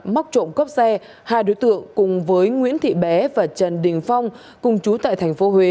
móc trộm cắp xe hai đối tượng cùng với nguyễn thị bé và trần đình phong cùng chú tại tp huế